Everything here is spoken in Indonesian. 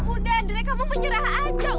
udah dere kamu menyerah aja